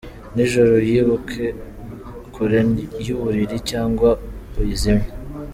Nijoro uyibike kure y’uburiri cyangwa uyizimye.